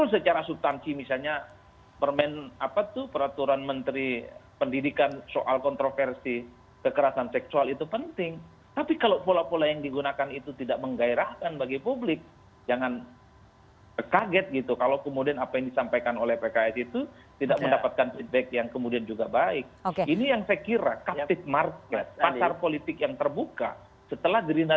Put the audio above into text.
seperti di negara negara lain atau di periode sebelumnya